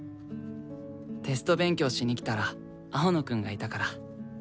テスト勉強しに来たら青野くんがいたから。